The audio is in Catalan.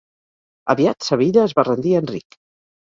Aviat, Sevilla es va rendir a Enric.